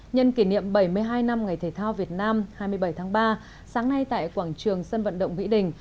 nhân kỷ niệm bảy mươi hai năm ngày thể thao việt nam hai mươi bảy tháng ba sáng nay tại quảng trường sân vận động vĩ đình